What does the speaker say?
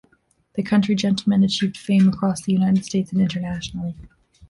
The Country Gentlemen achieved fame across the United States and internationally.